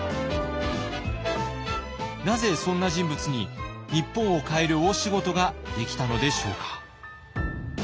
なぜそんな人物に日本を変える大仕事ができたのでしょうか。